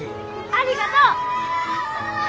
ありがとう！